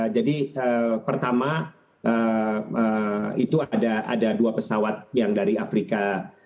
jadi pertama itu ada dua pesawat yang dari afrika